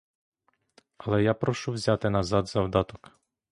Але я прошу взяти назад завдаток.